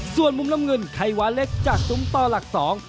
ส่วนมุมน้ำเงินไขวาเล็กจากตุ้มต่อหลักสอง